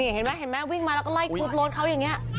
เห็นมั้ยวิ่งมาแล้วก็ไล่กรุ๊บรถเขาอย่างเงี้ย